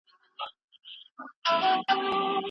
احصایه او ارقام دروغ نه وايي.